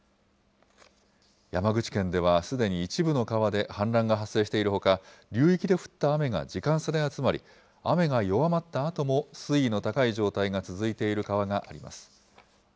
山口県ではすでに一部の川で氾濫が発生しているほか、流域で降った雨が時間差で集まり、雨が弱まったあとも水位の高い状態が続いている川があります。